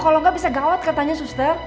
kalau nggak bisa gawat katanya suster